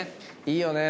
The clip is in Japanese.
いいよね